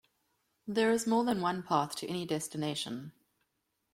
There is more than one path to any destination.